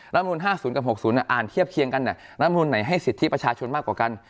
รัฐมนุน๕๐กับ๖๐อ่านเทียบเคียงกันรัฐมนุนไหนให้สิทธิประชาชนมากกว่ากัน